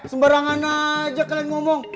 sembarangan aja kalian ngomong